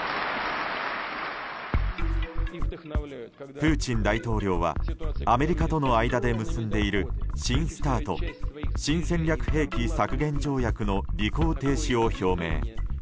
プーチン大統領はアメリカとの間で結んでいる新ＳＴＡＲＴ・新戦略兵器削減条約の履行停止を表明。